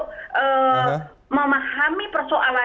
kata paham memahami persoalan